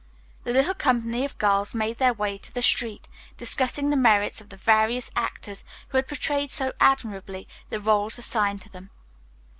The little company of girls made their way to the street, discussing the merits of the various actors who had portrayed so admirably the roles assigned to them.